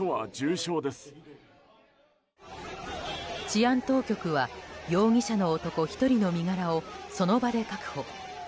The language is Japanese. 治安当局は容疑者の男１人の身柄を、その場で確保。